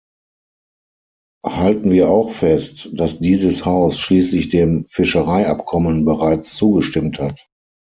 Halten wir auch fest, dass dieses Haus schließlich dem Fischereiabkommen bereits zugestimmt hat.